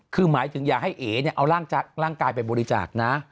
คือหมายถึงอย่าให้เอ๋เนี่ยเอาร่างกายไปบริจาคนะ